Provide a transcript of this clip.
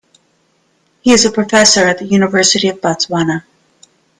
He is a professor at the University of Botswana.